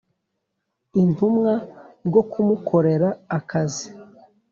Intumwa bwo kumukorera akazi